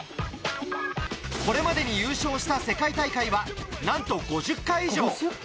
これまでに優勝した世界大会は何と５０回以上。